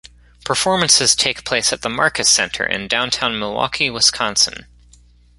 Performances take place at the Marcus Center in downtown Milwaukee, Wisconsin.